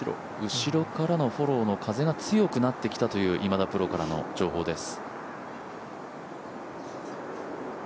後ろからの風が強くなってきたという今田プロからの情報です。